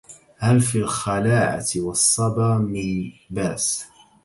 هل في الخلاعة والصبا من باس